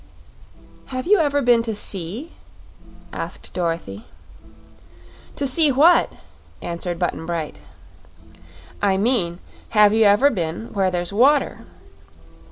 "Have you ever been to sea?" asked Dorothy. "To see what?" answered Button Bright. "I mean, have you ever been where there's water?"